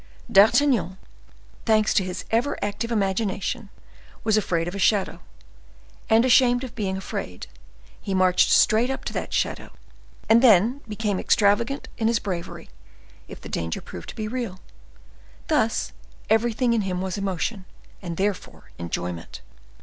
D'Artagnan, thanks to his ever active imagination, was afraid of a shadow, and ashamed of being afraid, he marched straight up to that shadow, and then became extravagant in his bravery, if the danger proved to be real. Thus everything in him was emotion, and therefore enjoyment.